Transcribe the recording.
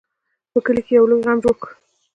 په کلي کې یې لوی غم جوړ کړ.